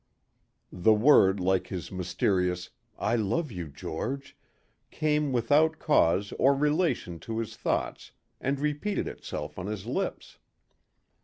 The word like his mysterious, "I love you, George" came without cause or relation to his thoughts and repeated itself on his lips.